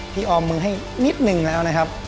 พี่ออมมือให้นิดหนึ่งเลยนะครับ